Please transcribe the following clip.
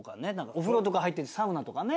お風呂とか入ってサウナとかね。